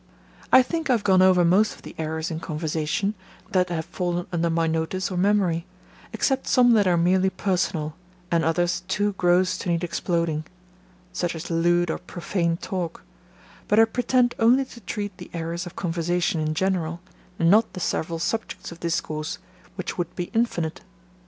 I think I have gone over most of the errors in conversation, that have fallen under my notice or memory, except some that are merely personal, and others too gross to need exploding; such as lewd or profane talk; but I pretend only to treat the errors of conversation in general, and not the several subjects of discourse, which would be infinite.